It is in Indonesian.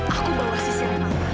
aku bawa sisirnya mama